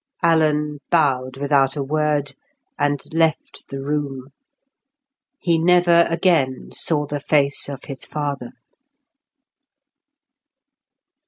Alan bowed without a word, and left the room. He never again saw the face of his father.